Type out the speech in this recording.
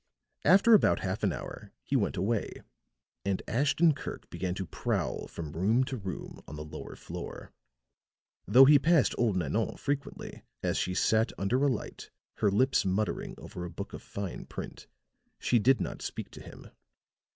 After about half an hour he went away, and Ashton Kirk began to prowl from room to room on the lower floor; though he passed old Nanon frequently, as she sat under a light, her lips muttering over a book of fine print, she did not speak to him.